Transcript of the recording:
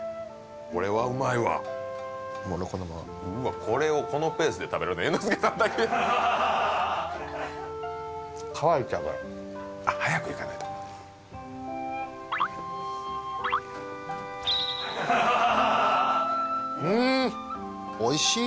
これはうまいわ俺もこのままうわっこれをこのペースで食べるの猿之助さんだけあっ早くいかないとうんっおいしいね